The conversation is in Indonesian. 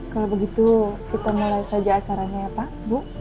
kalau begitu kita mulai saja acaranya ya pak bu